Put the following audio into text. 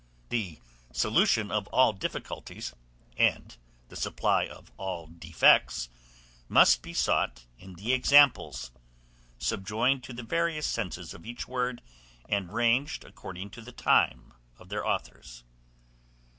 The solution of all difficulties, and the supply of all defects must be sought in the examples, subjoined to the various senses of each word, and ranged according to the time of their authors.